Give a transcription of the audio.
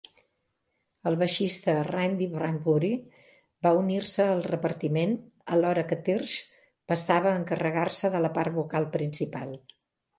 El baixista Randy Bradbury va unir-se al repartiment alhora que Thirsk passava a encarregar-se de la part vocal principal.